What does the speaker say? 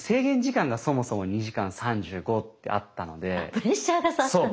プレッシャーがさあったんだね。